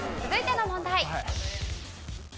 続いての問題。